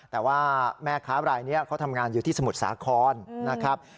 แต่ว่าแม่ค้ารายนี้เขาทำงานอยู่ที่สมุทรสาครนะครับ